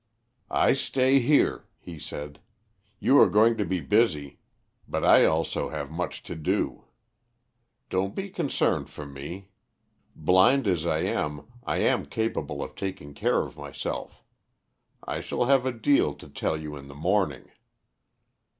"I stay here," he said. "You are going to be busy, but I also have much to do. Don't be concerned for me. Blind as I am, I am capable of taking care of myself. I shall have a deal to tell you in the morning."